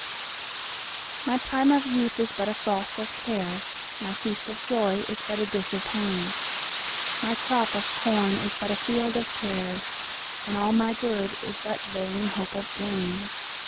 1My prime of youth is but a frost of cares,2My feast of joy is but a dish of pain,3My crop of corn is but a field of tares,4And all my good is but vain hope of gain.